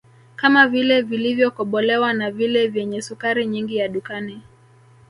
kama vile vilivyokobolewa na vile vyenye sukari nyingi ya dukani